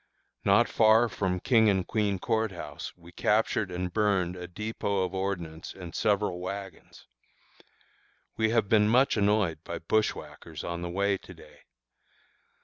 Not far from King and Queen Court House we captured and burned a dépôt of ordnance and several wagons. We have been much annoyed by bushwhackers on the way to day.